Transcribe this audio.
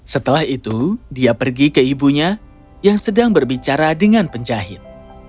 setelah itu dia pergi ke ibunya yang sedang berbicara dengan penjahit